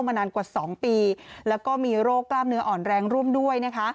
มานานกว่า๒ปีแล้วก็มีโรคกล้ามเนื้ออ่อนแรงร่วมด้วยนะคะ